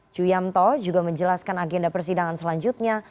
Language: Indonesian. juyamto juga menjelaskan agenda persidangan selanjutnya